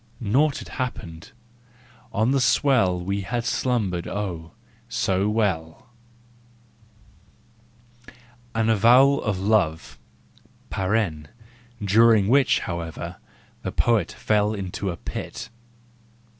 Naught had happened ! On the swell We had slumbered, oh, so well! APPENDIX 363 AN AVOWAL OF LOVE (during which, however , the poet fell into a pit).